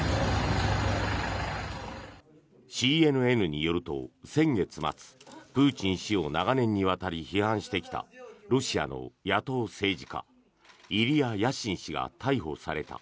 ＣＮＮによると先月末プーチン氏を長年にわたり批判してきたロシアの野党政治家イリヤ・ヤシン氏が逮捕された。